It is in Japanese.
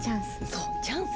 そうチャンスよ！